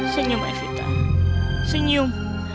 senyum evita senyum